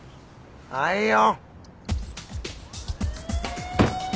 はいよ。